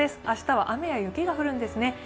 明日は雨や雪が降るんですね。